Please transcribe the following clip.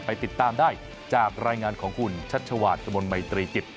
ติดตามได้จากรายงานของคุณชัชวาสมลมัยตรีจิต